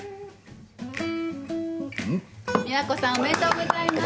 美和子さんおめでとうございます。